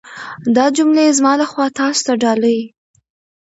دا جملې زما لخوا تاسو ته ډالۍ.